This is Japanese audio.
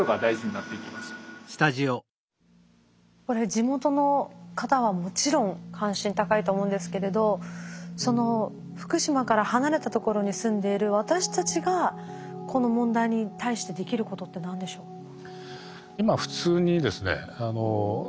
これ地元の方はもちろん関心高いと思うんですけれど福島から離れたところに住んでいる私たちがこの問題に対してできることって何でしょう？